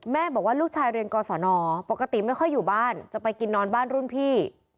บอกว่าลูกชายเรียนกศนปกติไม่ค่อยอยู่บ้านจะไปกินนอนบ้านรุ่นพี่